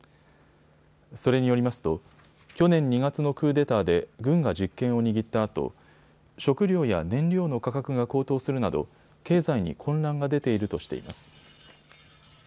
それによりますと去年２月のクーデターで軍が実権を握ったあと食糧や燃料の価格が高騰するなど経済に混乱が出ているとしています。